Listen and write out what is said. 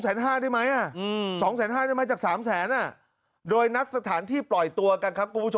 ๒๕๐๐บาทได้ไหมจาก๓๐๐๐บาทโดยนัดสถานที่ปล่อยตัวกันครับ